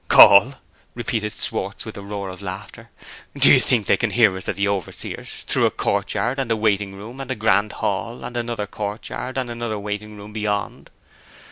"Call?" repeated Schwartz, with a roar of laughter. "Do you think they can hear us at the overseer's, through a courtyard, and a waiting room, and a grand hall, and another courtyard, and another waiting room beyond?